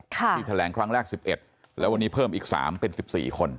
ที่แถลงครั้งแรก๑๑แล้ววันนี้เพิ่มอีก๓เป็น๑๔คน